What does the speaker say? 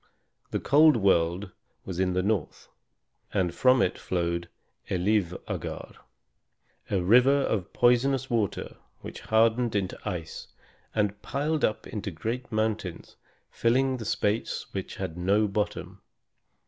The cold world was in the north, and from it flowed Elivâgar, a river of poisonous water which hardened into ice and piled up into great mountains, filling the space which had no bottom.